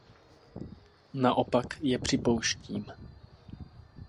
Naopak je připouštím.